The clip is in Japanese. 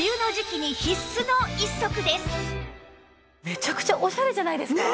めちゃくちゃオシャレじゃないですか。